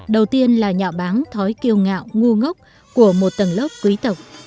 đầu tiên là nhạo bán thói kiêu ngạo ngu ngốc của một tầng lớp quý tộc